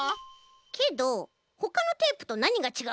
けどほかのテープとなにがちがうの？